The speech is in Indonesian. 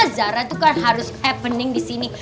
zara itu kan harus happening disini